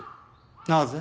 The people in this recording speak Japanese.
なぜ？